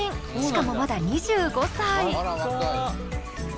しかもまだ２５歳。